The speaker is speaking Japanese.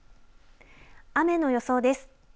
雨の予想です。